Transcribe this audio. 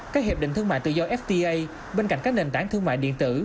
các hiệp định thương mại tự do fta bên cạnh các nền tảng thương mại điện tử